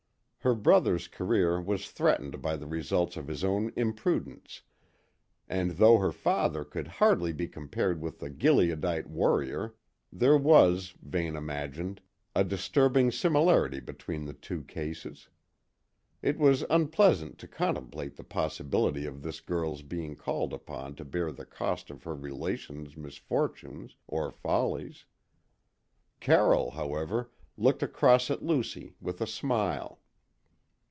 Her brother's career was threatened by the results of his own imprudence, and though her father could hardly be compared with the Gileadite warrior, there was, Vane imagined, a disturbing similarity between the two cases. It was unpleasant to contemplate the possibility of this girl's being called upon to bear the cost of her relations' misfortunes or follies. Carroll, however, looked across at Lucy with a smile.